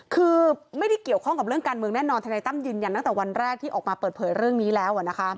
คือไม่ได้เกี่ยวข้องกับเรื่องการเมืองแน่นอนธนายตั้มยืนยันตั้งแต่วันแรกที่ออกมาเปิดเผยเรื่องนี้แล้ว